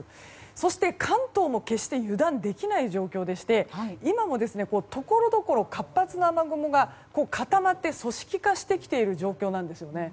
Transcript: そして、関東も決して油断できない状況でして今も、ところどころ活発な雨雲が固まって組織化してきているような状況なんですよね。